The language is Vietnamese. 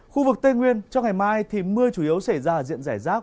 khu vực tây nguyên trong ngày mai thì mưa chủ yếu xảy ra ở diện giải rác